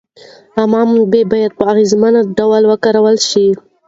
عامه منابع باید په اغېزمن ډول وکارول شي.